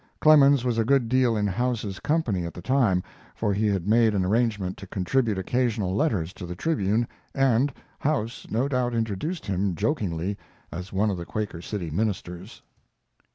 Clemens was a good deal in House's company at the time, for he had made an arrangement to contribute occasional letters to the Tribune, and House no doubt introduced him jokingly as one of the Quaker City ministers.